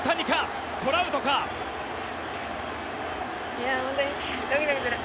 いやホントにドキドキする。